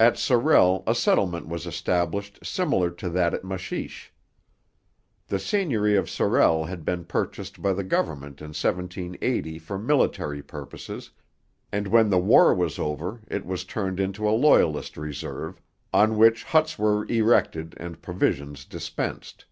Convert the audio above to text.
At Sorel a settlement was established similar to that at Machiche. The seigneury of Sorel had been purchased by the government in 1780 for military purposes, and when the war was over it was turned into a Loyalist reserve, on which huts were erected and provisions dispensed.